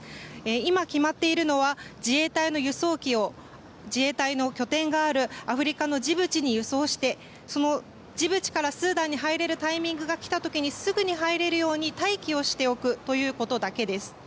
今、決まっているのは自衛隊の輸送機を自衛隊の拠点があるアフリカのジブチに輸送してそのジブチからスーダンに入れるタイミングが来た時にすぐに入れるように待機しておくということだけです。